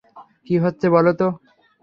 কী হচ্ছে বলোতো?